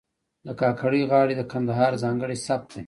د کاکړۍ غاړې د کندهار ځانګړی سبک دی.